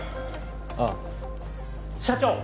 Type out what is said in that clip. ああ社長！